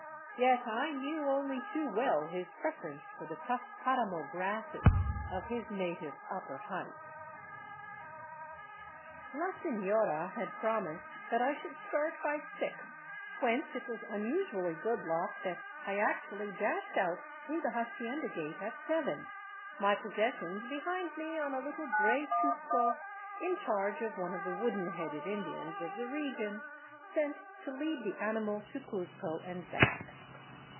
Yet I knew only too well his preference for the tough paramo grasses of his native upper heights. La sefiora had promised that I should start by six, whence it was un usually good luck that I actually dashed out through the hacienda gate at seven, my possessions behind me on a little gray chusco in charge of one of the wooden headed Indians of the region, sent to lead the animal to Cuzco and back.